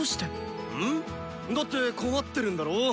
だって困ってるんだろ？